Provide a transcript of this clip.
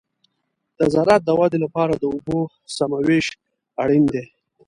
د زراعت د ودې لپاره د اوبو سمه وېش اړین دی.